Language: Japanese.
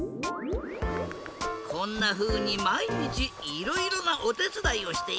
こんなふうにまいにちいろいろなおてつだいをしているんだ。